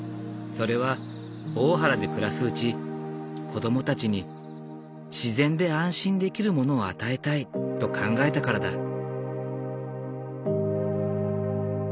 それは大原で暮らすうち子供たちに自然で安心できるものを与えたいと考えたからだ。